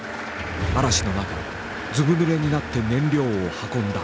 嵐の中ずぶぬれになって燃料を運んだ。